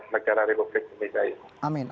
negara republik indonesia ini